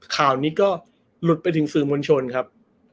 ข่าวนี้ก็หลุดไปถึงสื่อมวลชนครับ